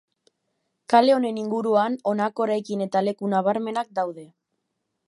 Kale honen inguruan honako eraikin eta leku nabarmenak daude.